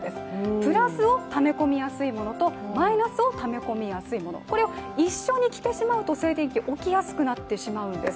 プラスをため込みやすいものと、マイナスをため込みやすいもの、これを一緒に着てしまうと静電気が起きやすくなってしまうんです。